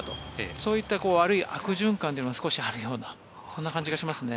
そういった悪循環も少しある感じがしますね。